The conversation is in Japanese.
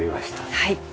はい。